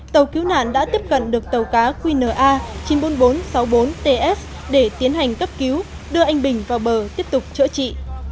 tàu cá đã tiếp cận được tàu cá qna chín trăm bốn mươi bốn sáu mươi bốn ts để tiến hành cấp cứu đưa anh bình vào bờ tiếp tục chữa trị